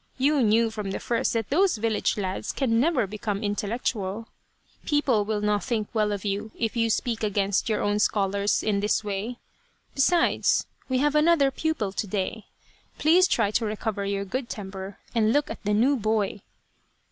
You knew from the first that those village lads can never become intellectual. People will not think well of you, if you speak against your own scholars in this way. Besides, we have another pupil to day. Please try to recover your good temper and look at the new boy."